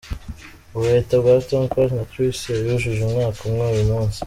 Ubuheta bwa Tom Close na Tricia, yujuje umwaka umwe uyu munsi.